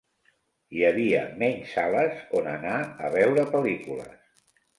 Hi havia menys sales on anar a veure pel·lícules.